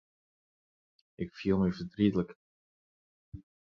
Ik fiel my fertrietlik.